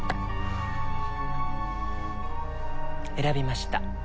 選びました。